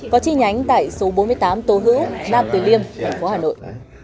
có chi nhánh tại số bốn mươi tám tô hữu nam tuyên liêm tp hà nội